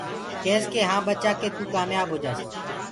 ڪيس ڪي هآنٚ ٻچآ ڪي توُ ڪآميآب هوجآسيٚ۔